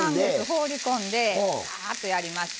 放り込んでバーッとやります。